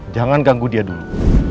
jangan ganggu dia dulu